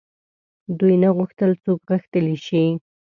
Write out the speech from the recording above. دوی نه غوښتل څوک غښتلي شي.